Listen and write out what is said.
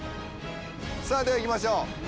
さあではいきましょう。